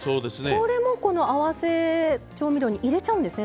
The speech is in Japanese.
これもこの合わせ調味料に入れちゃうんですね